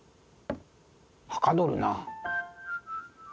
はかどるなあ。